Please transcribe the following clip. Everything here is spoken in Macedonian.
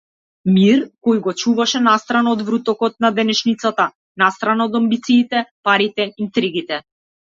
Мир кој го чуваше настрана од врутокот на денешницата, настрана од амбициите, парите, интригите.